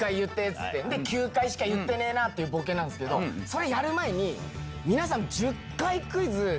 っつって９回しか言ってねえな！っていうボケなんすけどそれやる前に皆さん。